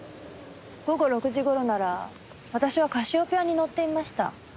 午後６時頃なら私はカシオペアに乗っていました。